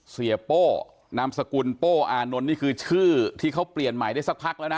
โป้นามสกุลโป้อานนท์นี่คือชื่อที่เขาเปลี่ยนใหม่ได้สักพักแล้วนะ